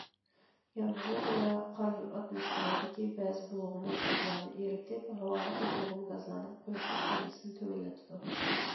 يامغۇر ۋە قار ئاتموسفېرادىكى بەزى بۇلغىما گازلارنى ئېرىتىپ، ھاۋادىكى بۇلغىما گازلارنىڭ قويۇقلۇق دەرىجىسىنى تۆۋەنلىتىدۇ.